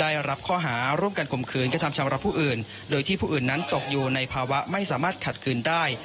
ได้รับข้อหาร่วมกันข่มขืนกระทำชำระผู้อื่นโดยที่ผู้อื่นนั้นตกอยู่ในภาวะไม่สามารถขัดคืนได้